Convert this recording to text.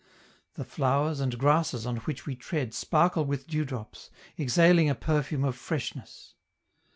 The flowers and grasses on which we tread sparkle with dewdrops, exhaling a perfume of freshness.